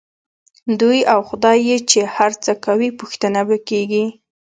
دی او خدای یې چې هر څه کوي، پوښتنه به کېږي.